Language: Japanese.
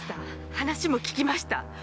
話も聞きました！